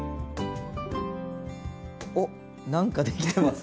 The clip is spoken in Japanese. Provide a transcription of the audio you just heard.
おっ何か出来てます。